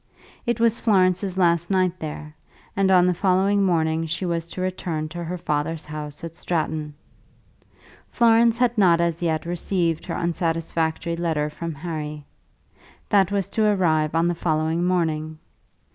It was Florence's last night there, and on the following morning she was to return to her father's house at Stratton. Florence had not as yet received her unsatisfactory letter from Harry. That was to arrive on the following morning.